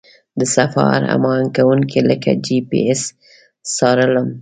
د سفر هماهنګ کوونکي لکه جي پي اس څارلم.